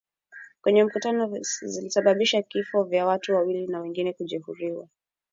kwenye mkutano zilisababisha vifo vya watu wawili na wengine kujeruhiwa